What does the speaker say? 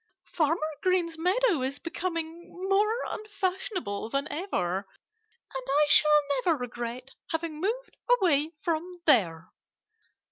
"Farmer Green's meadow is becoming more unfashionable than ever. And I shall never regret having moved away from there."